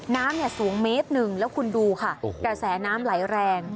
น้ำเนี่ยสูงเมตรหนึ่งแล้วคุณดูค่ะกระแสน้ำไหลแรง